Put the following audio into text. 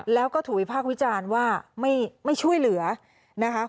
แล้วก็ถูกวิพากษ์วิจารณ์ว่าไม่ช่วยเหลือนะคะ